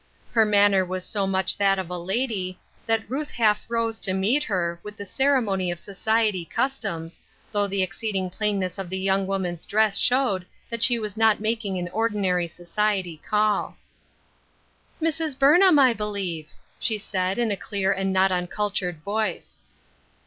Her man ner was so much that of a lady, that Ruth half rose to meet her, with the ceremony of society cus toms, though the exceeding plainness of the young woman's dress showed that she was not making an ordinary society call. " Mrs. Burnham, I believe," she said, in a clear and not uncultured voice.